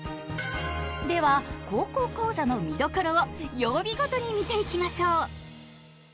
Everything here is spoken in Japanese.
では「高校講座」の見どころを曜日ごとに見ていきましょう！